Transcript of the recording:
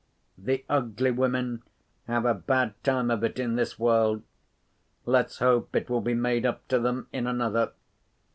The ugly women have a bad time of it in this world; let's hope it will be made up to them in another.